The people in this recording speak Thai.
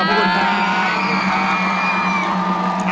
ขอบคุณค่ะ